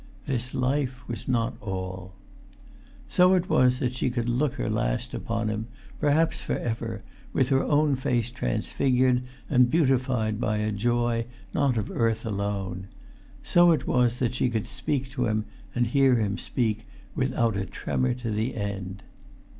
This life was not all. So it was that she could look her last upon him, perhaps for ever, with her own face transfigured and beautified by a joy not of earth alone: so it was that she could speak to him, and hear him speak, without a tremor to the end.